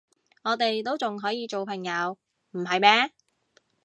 我哋都仲可以做朋友，唔係咩？